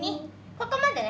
ここまでね。